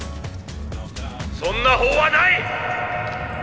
そんな法はない‼